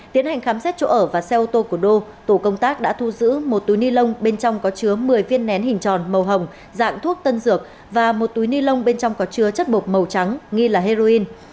tiến hành khám xét chỗ ở và xe ô tô của đô tổ công tác đã thu giữ một túi ni lông bên trong có chứa một mươi viên nén hình tròn màu hồng dạng thuốc tân dược và một túi ni lông bên trong có chứa chất bột màu trắng nghi là heroin